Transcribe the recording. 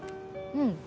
うん。